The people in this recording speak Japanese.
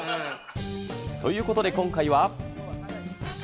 ということで今回は。